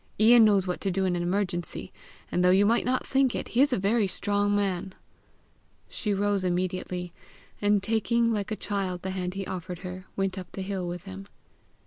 Ian knows what to do in an emergency; and though you might not think it, he is a very strong man." She rose immediately, and taking like a child the hand he offered her, went up the hill with him.